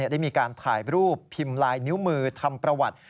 ได้มีการถ่ายรูปพิมพ์ลายนิ้วมือทำประวัติ